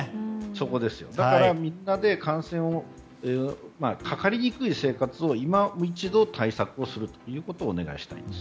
だから、みんなでかかりにくい生活を今一度対策をすることをお願いしたいです。